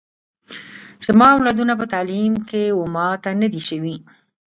زما اولادونه په تعلیم کي و ماته نه دي سوي